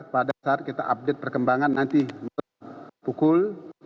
pada saat kita update perkembangan nanti pukul sembilan belas